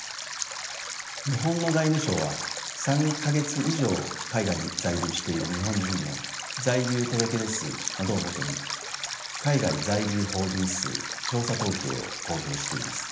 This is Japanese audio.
日本の外務省は３か月以上海外に在留している日本人の在留届出数などを基に海外在留邦人数調査統計を公表しています。